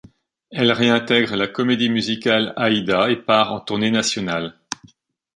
Elle réintègre la comédie musicale Aïda et part en tournée nationale.